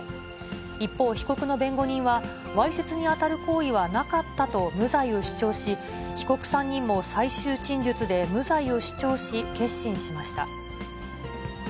一方、被告の弁護人は、わいせつに当たる行為はなかったと無罪を主張し、被告３人も最終陳述で無罪を主張し、結審しました。